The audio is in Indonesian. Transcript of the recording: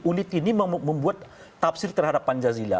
unit ini membuat tafsir terhadap pancasila